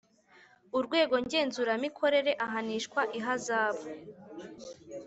Urwego ngenzuramikorere ahanishwa ihazabu